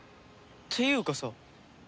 っていうかさ